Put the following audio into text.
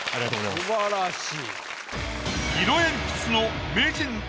素晴らしい。